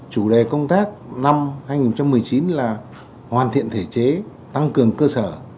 chủ đề công tác năm hai nghìn một mươi chín là hoàn thiện thể chế tăng cường cơ sở